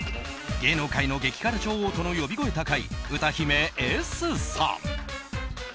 芸能界の激辛女王との呼び声高い歌姫・Ｓさん。